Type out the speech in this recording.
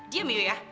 diam yuk ya